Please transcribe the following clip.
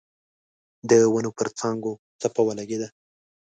د ونو پر څانګو څپه ولګېده.